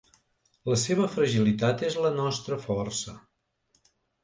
La seva fragilitat és la nostra força.